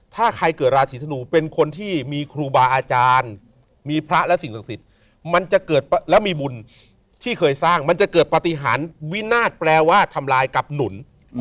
ถ้าใครเกิดราศีธนูเป็นคนที่มีครูบาอาจารย์มีพระและสิ่งศักดิ์สิทธิ์มันจะเกิดแล้วมีบุญที่เคยสร้างมันจะเกิดปฏิหารวินาศแปลว่าทำลายกับหนุน